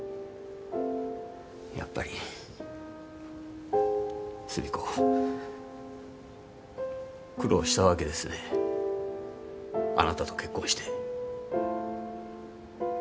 やっぱり寿美子苦労したわけですねあなたと結婚して。